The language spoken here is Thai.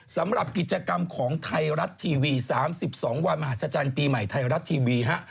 สำหรับกิจกรรมของไทรัสทีวีสามสิบสองวันฮะสมัยไทรัสทีวีฮะ